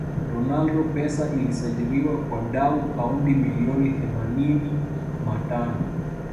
ronaldo pesa ilisajiriwa kwa dau paundi milioni themanini ma tano